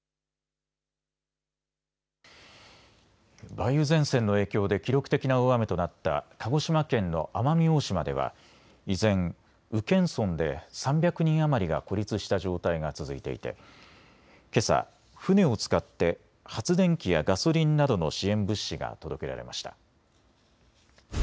梅雨前線の影響で記録的な大雨となった鹿児島県の奄美大島では依然、宇検村で３００人余りが孤立した状態が続いていてけさ船を使って発電機やガソリンなどの支援物資が届けられました。